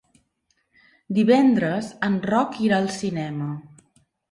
Divendres en Roc irà al cinema.